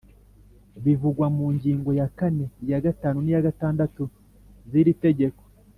bivugwa mu ngingo ya kane iya gatanu n iya gatandatu z iri tegeko